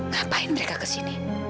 ngapain mereka kesini